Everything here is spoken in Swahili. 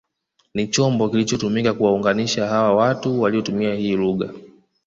Ni chombo kilichotumika kuwaunganisha hawa watu waliotumia hii lugha